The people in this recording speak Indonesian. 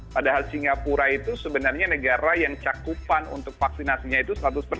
padahal singapura itu sebenarnya negara yang cakupan untuk vaksinasinya itu